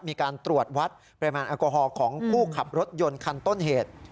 มีการตรวจวัดปริมาณแอลกอฮอลของผู้ขับรถยนต์คันต้นเหตุ